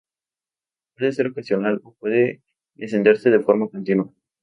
Puede ser ocasional o puede encenderse de forma continua.